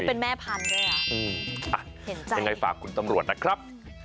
เป็นแม่พันธุ์ด้วยอ่ะอืมอ่ะเห็นใจยังไงฝากคุณตำรวจนะครับ